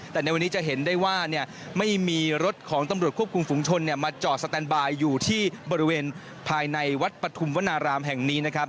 แต่ในวันนี้จะเห็นได้ว่าไม่มีรถของตำรวจควบคุมฝุงชนมาจอดสแตนบายอยู่ที่บริเวณภายในวัดปฐุมวนารามแห่งนี้นะครับ